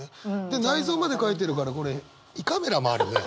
で内臓まで書いてるからこれ胃カメラもあるよね？